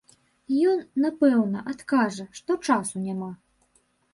Ён, напэўна, адкажа, што часу няма.